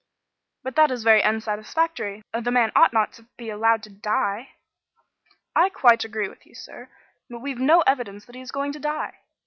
"But that is very unsatisfactory. The man ought not to be allowed to die." "I quite agree with you, sir. But we've no evidence that he is going to die.